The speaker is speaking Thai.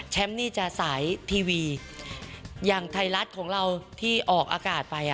นี่จะสายทีวีอย่างไทยรัฐของเราที่ออกอากาศไป